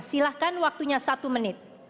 silahkan waktunya satu menit